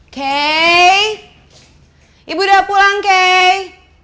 kayy ibu udah pulang kayy